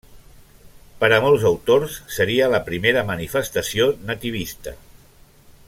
Per a molts autors, seria la primera manifestació nativista.